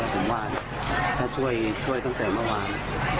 ผมว่าถ้าช่วยตั้งแต่เมื่อวาน